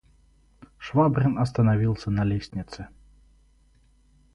Швабрин остановился на лестнице.